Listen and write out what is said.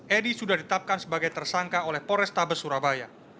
edi sudah ditetapkan sebagai tersangka oleh porestabes surabaya